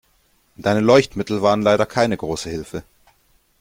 Deine Leuchtmittel waren leider keine große Hilfe.